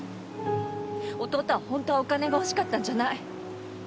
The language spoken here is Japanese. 弟は本当はお金が欲しかったんじゃない。